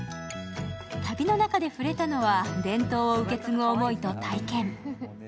旅の中で触れたのは伝統を受け継ぐ思いと体験。